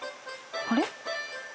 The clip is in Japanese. あれ？